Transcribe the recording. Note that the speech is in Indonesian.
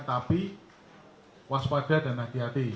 tapi waspada dan hati hati